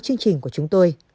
chương trình của chúng tôi